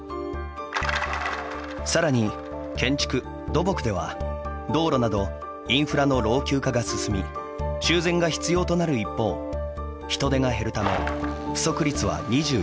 さらに建築・土木では道路などインフラの老朽化が進み修繕が必要となる一方人手が減るため、不足率は２２％。